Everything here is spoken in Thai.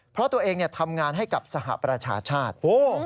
เพราะตัวเองทำงานให้กับสหประชาชาติ